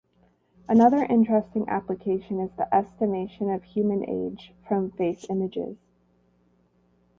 Another interesting application is the estimation of human age from face images.